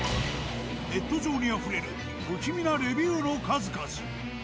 ネット上にあふれる不気味なレビューの数々。